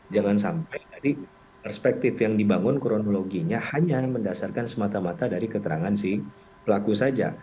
jangan sampai tadi perspektif yang dibangun kronologinya hanya mendasarkan semata mata dari keterangan si pelaku saja